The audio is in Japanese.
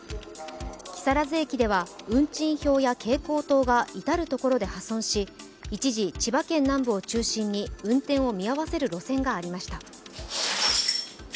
木更津駅では運賃表や蛍光灯が至る所で破損し一時、千葉県南部を中心に運転を見合わせる路線がありました。